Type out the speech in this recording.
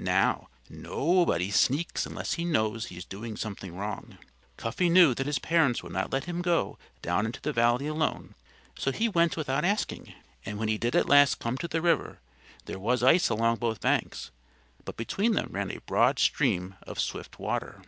Now, nobody sneaks unless he knows he is doing something wrong. Cuffy knew that his parents would not let him go down into the valley alone, so he went without asking. And when he did at last come to the river there was ice along both banks; but between them ran a broad stream of swift water.